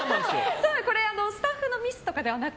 これスタッフのミスとかではなく。